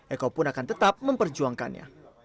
eko pun akan tetap memperjuangkannya